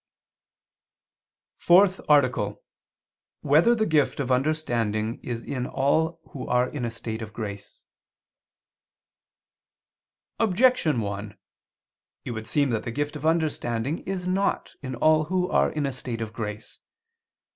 _______________________ FOURTH ARTICLE [II II, Q. 8, Art. 4] Whether the Gift of Understanding Is in All Who Are in a State of Grace? Objection 1: It would seem that the gift of understanding is not in all who are in a state of grace.